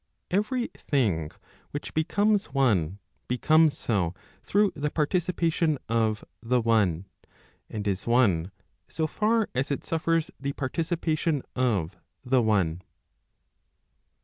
i Every thing which becomes one, becomes so through the partici¬ pation of the one, and is one, so far as it suffers the participation of the one.